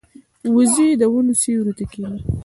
وزې د ونو سیوري ته کیني